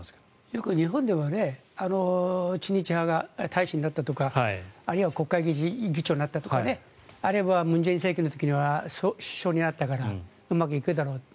よく日本では知日派が大使になったとかあるいは国会議長になったとかあるいは文在寅政権の時には首相になったからうまくいくだろうと。